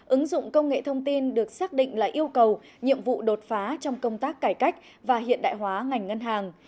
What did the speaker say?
ứng dụng công nghệ thông tin được xác định là yêu cầu nhiệm vụ đột phá trong công tác cải cách và hiện đại hóa ngành ngân hàng